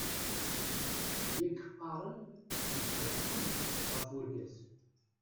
Yak qqaren yecbeḥ kulec ɣef urgaz.